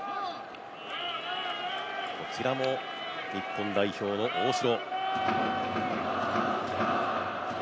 こちらも日本代表の大城。